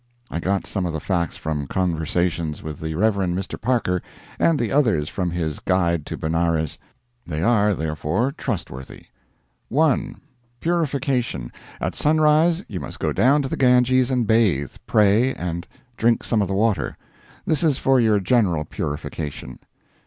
I got some of the facts from conversations with the Rev. Mr. Parker and the others from his Guide to Benares; they are therefore trustworthy. 1. Purification. At sunrise you must go down to the Ganges and bathe, pray, and drink some of the water. This is for your general purification.